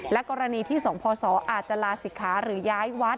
กรณีที่๒พศอาจจะลาศิกขาหรือย้ายวัด